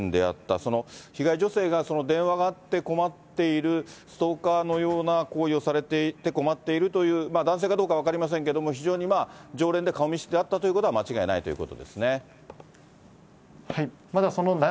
その被害女性が、電話があって困っている、ストーカーのような行為をされていて、困っているという、男性かどうか分かりませんけれども、非常に常連で、顔見知りであったということは間違いないということですね。